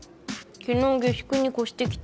昨日下宿に越してきた。